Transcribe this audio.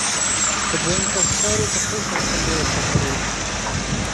د دویم کس چارو په خپلسر خپل لوری ټاکلی وي.